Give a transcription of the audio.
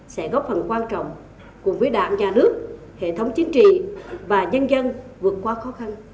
sẽ góp phần quan trọng cùng với đảng nhà nước hệ thống chính trị và nhân dân vượt qua khó khăn